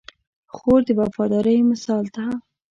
خور د وفادارۍ مثال ده.